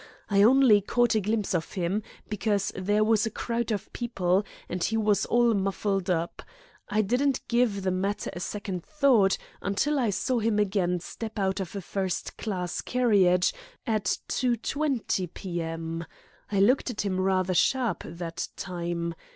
I only caught a glimpse of him, because there was a crowd of people, and he was all muffled up. I didn't give the matter a second thought until I saw him again step out of a first class carriage at 2.20 p.m. I looked at him rather sharp that time.